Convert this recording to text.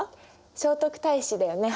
聖徳太子だよね。